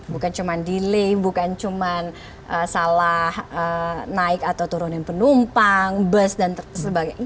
bukan cuma delay bukan cuma salah naik atau turunin penumpang bus dan sebagainya